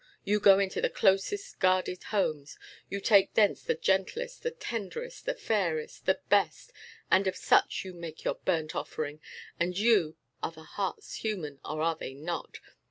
You go into the closest guarded homes; you take thence the gentlest, the tenderest, the fairest, the best, and of such you make your burnt offering. And you are your hearts human, or are they not?